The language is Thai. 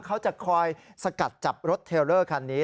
เขาจะคอยสกัดจับรถเทลเลอร์คันนี้